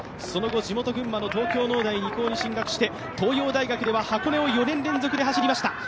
その後、地元・群馬の東京農大二高に進学して東洋大学では箱根を４年連続で走りました。